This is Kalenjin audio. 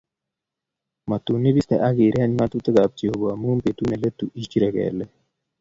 Matun ipiste akireny ngatuki ab Jeovah amu betut neletu ichire kelek